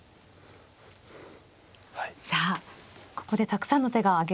さあここでたくさんの手が挙げられていました。